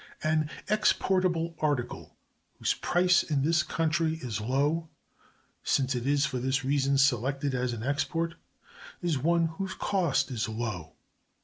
An exportable article whose price in this country is low—since it is for this reason selected as an export—is one whose cost is low.